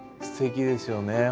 すてきですよね